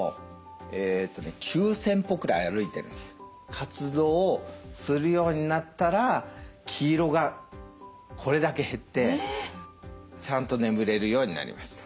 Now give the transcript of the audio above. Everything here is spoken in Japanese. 活動をするようになったら黄色がこれだけ減ってちゃんと眠れるようになりました。